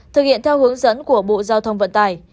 thực hiện theo hướng dẫn của bộ giao thông vận tải